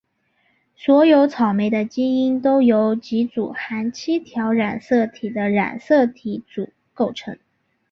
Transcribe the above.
所有草莓的基因都由几组含七条染色体的染色体组构成。